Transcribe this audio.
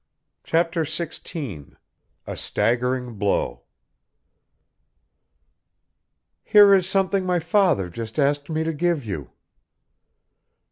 CHAPTER XVI A STAGGERING BLOW "Here is something my father just asked me to give you."